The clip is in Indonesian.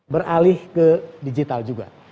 beralih ke digital juga